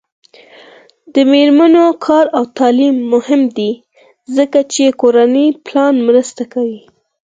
د میرمنو کار او تعلیم مهم دی ځکه چې کورنۍ پلان مرسته کوي.